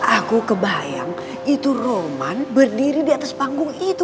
aku kebayang itu roman berdiri di atas panggung itu